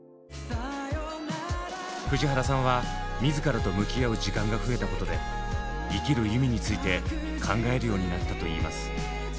藤原さんは自らと向き合う時間が増えたことで「生きる意味」について考えるようになったといいます。